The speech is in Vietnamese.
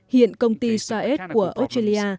hiện công ty saed của australia